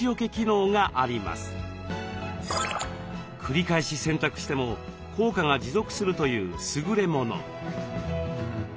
繰り返し洗濯しても効果が持続するというすぐれもの。